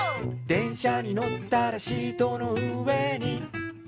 「電車にのったらシートの上に」